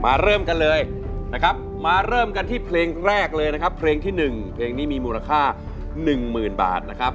เริ่มกันเลยนะครับมาเริ่มกันที่เพลงแรกเลยนะครับเพลงที่๑เพลงนี้มีมูลค่า๑๐๐๐บาทนะครับ